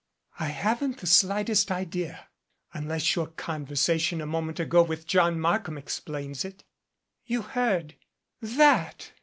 "I haven't the slightest idea unless your conversa tion a moment ago with John Markham explains it." "You heard that!"